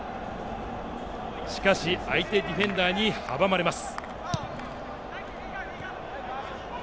しかし、相手ディフェンダーに阻まれます。